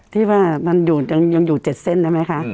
ที่ว่ามันยังอยู่๗เส้นได้ไหมคะ